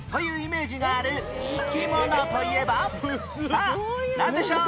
さあなんでしょう？